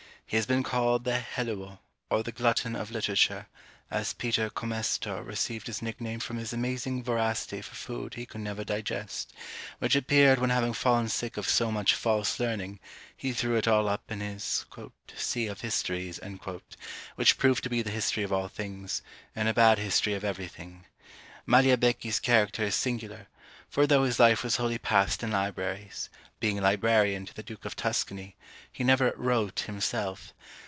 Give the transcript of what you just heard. He has been called the Helluo, or the Glutton of Literature, as Peter Comestor received his nickname from his amazing voracity for food he could never digest; which appeared when having fallen sick of so much false learning, he threw it all up in his "Sea of Histories," which proved to be the history of all things, and a bad history of everything. Magliabechi's character is singular; for though his life was wholly passed in libraries, being librarian to the Duke of Tuscany, he never wrote himself.